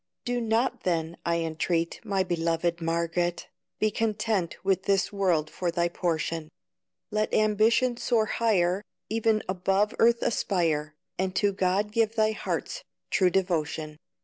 Do not then I entreat, My beloved Margaret, Be content with this world for thy portion; Let ambition soar higher, E'en above earth aspire, And to God give thy heart's true devotion.